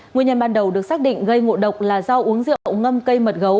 nguyên nhân ban đầu được xác định gây ngộ độc là do uống rượu ngâm cây mật gấu